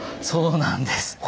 そうなんです。